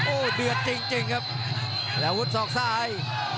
โอ้ยเดือดจริงจริงครับขนาวุฒิสอกซ้าย